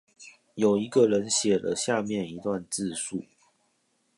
有一個人寫了下面一段自述